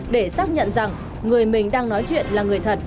để xác nhận rằng người mình đang nói chuyện là người thật